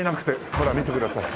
ほら見てください。